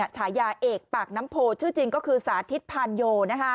ฉายาเอกปากน้ำโพชื่อจริงก็คือสาธิตพานโย